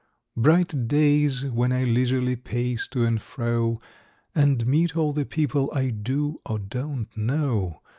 Bright days, when I leisurely pace to and fro, And meet all the people I do or don't know.